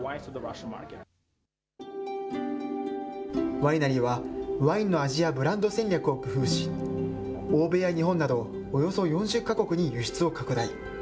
ワイナリーはワインの味やブランド戦略を工夫し、欧米や日本などおよそ４０か国に輸出を拡大。